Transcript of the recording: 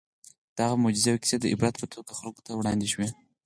د هغه معجزې او کیسې د عبرت په توګه خلکو ته وړاندې شوي.